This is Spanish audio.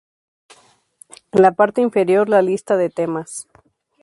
En la parte inferior, la lista de temas.